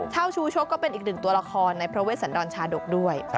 เช่าชูชกก็เป็นอีกหนึ่งตัวละครในพระเวชสันดรชาดกด้วย